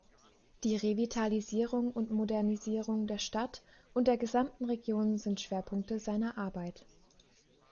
Die Revitalisierung und Modernisierung der Stadt und der gesamten Region sind Schwerpunkte seiner Arbeit.